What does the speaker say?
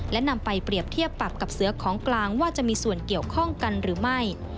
และนำไปเปรียบเทียบปรับกับเสือของกลางว่าจะมีส่วนเกี่ยวข้องกันหรือไม่